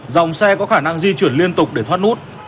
dòng xe có khả năng di chuyển liên tục để thoát nước